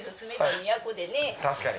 確かにね。